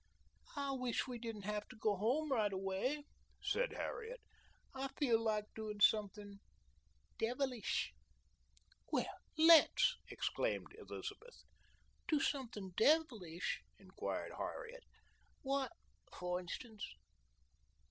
"I wish we didn't have to go home right away," said Harriet. "I feel like doing something devilish." "Well, let's!" exclaimed Elizabeth. "Do something devilish?" inquired Harriet. "What, for instance?"